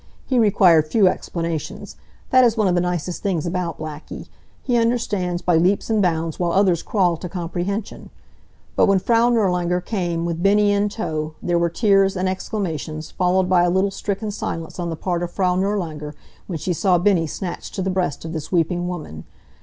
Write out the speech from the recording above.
He required few explanations. That is one of the nicest things about Blackie. He understands by leaps and bounds, while others crawl to comprehension. But when Frau Nirlanger came, with Bennie in tow, there were tears, and exclamations, followed by a little stricken silence on the part of Frau Nirlanger when she saw Bennie snatched to the breast of this weeping woman.